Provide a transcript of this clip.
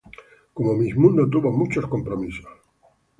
Como Miss Mundo, tuvo muchos compromisos.